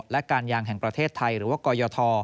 และการยางแห่งประเทศไทยหรือว่ากยท